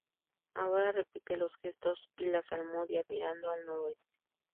Ahora repite los gestos y la salmodia mirando al noroeste